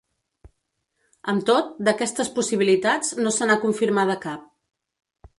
Amb tot, d’aquestes possibilitats no se n’ha confirmada cap.